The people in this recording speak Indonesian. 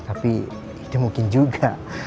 tapi itu mungkin juga